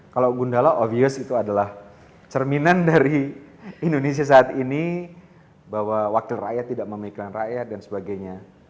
kalau gundala obvious itu adalah cerminan dari indonesia saat ini bahwa wakil rakyat tidak memikirkan rakyat dan sebagainya